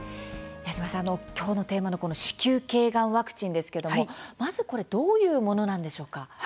矢島さん、きょうのテーマのこの子宮頸がんワクチンですけども、まずこれどういうものなんでしょうか。